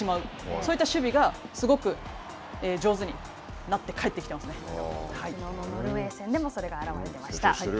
そういった守備がすごく上手になってきのうのノルウェー戦でも、それが現れていました。